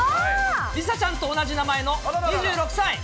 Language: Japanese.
梨紗ちゃんと同じ名前の２６歳。